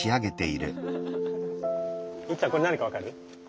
いっちゃんこれ何か分かる？